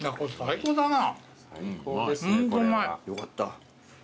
よかった。